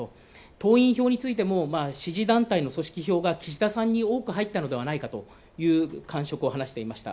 党員票についても支持団体の票が岸田さんに多く入ったのではないかという感触を話していました。